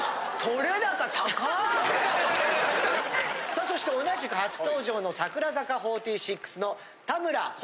さあそして同じく初登場の櫻坂４６の田村保乃さん。